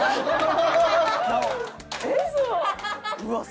うわっ